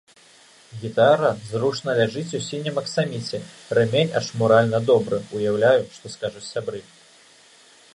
Гітара зручна ляжыць у сінім аксаміце, рэмень ачмуральна добры, уяўляю, што скажуць сябры.